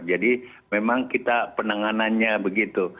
jadi memang kita penenganannya begitu